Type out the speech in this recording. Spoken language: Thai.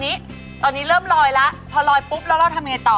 นี้ตอนนี้เริ่มลอยแล้วพอลอยปุ๊บแล้วเราทำยังไงต่อ